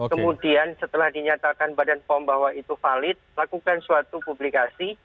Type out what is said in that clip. kemudian setelah dinyatakan badan pom bahwa itu valid lakukan suatu publikasi